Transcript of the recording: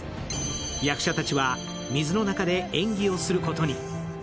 役者たちは水の中で演技をすることに。